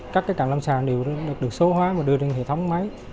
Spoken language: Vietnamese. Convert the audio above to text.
các cái càng lâm sàng đều được số hóa và đưa lên hệ thống máy